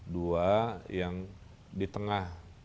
dua yang di tengah